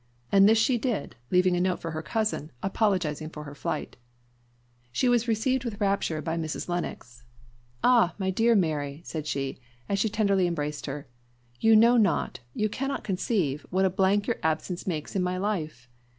And this she did, leaving a note for her cousin, apologising for her flight. She was received with rapture by Mrs. Lennox. "Ah! my dear Mary," said she, as she tenderly embraced her, "you know not, you cannot conceive, what a blank your absence makes in my life!